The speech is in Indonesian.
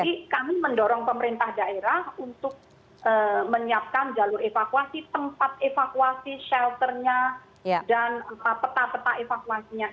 jadi kami mendorong pemerintah daerah untuk menyiapkan jalur evakuasi tempat evakuasi shelternya dan peta peta evakuasinya